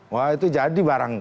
wah itu jadi barang